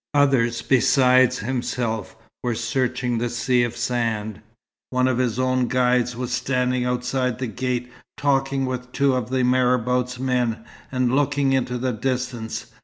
Others besides himself were searching the sea of sand. One of his own guides was standing outside the gates, talking with two of the marabout's men, and looking into the distance.